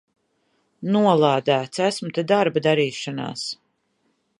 Nolādēts! Esmu te darba darīšanās!